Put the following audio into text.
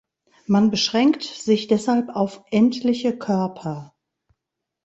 Man beschränkt sich deshalb auf endliche Körper.